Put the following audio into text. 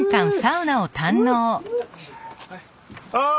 ああ！